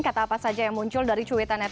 kata apa saja yang muncul dari cuitannya